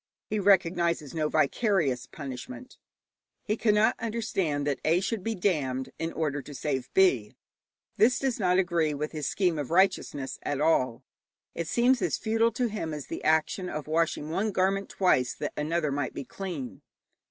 He recognizes no vicarious punishment. He cannot understand that A. should be damned in order to save B. This does not agree with his scheme of righteousness at all. It seems as futile to him as the action of washing one garment twice that another might be clean.